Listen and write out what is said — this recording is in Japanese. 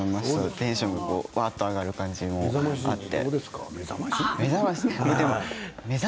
テンションが上がる感じもあって。